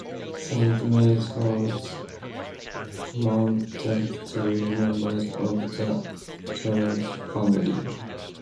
Saint Mary's holds monuments to members of the Thorold family.